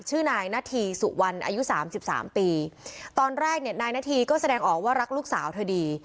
ชื่อนายนาธีสุวรรณอายุสามสิบสามปีตอนแรกเนี่ยนายนาธีก็แสดงออกว่ารักลูกสาวเธอดี